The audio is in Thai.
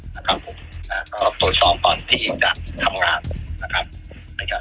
แล้วก็ตรวจซอมก่อนที่จะทำงานไว้จอด